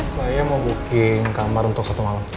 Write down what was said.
saya mau booking kamar untuk satu malam